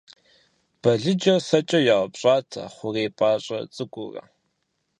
Балыджэр сэкӏэ яупщӏатэ хъурей пӏащӏэ цӏыкӏуурэ.